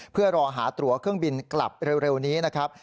เพื่อรอหาตัวเครื่องบินกลับเร็วนี้นะครับ